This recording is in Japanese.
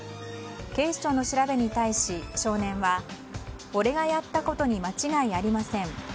警視庁の調べに対し、少年は俺がやったことに間違いありません。